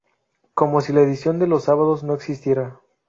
Como si la edición de los sábados no existiera.